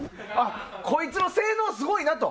こいつの性能、すごいなと。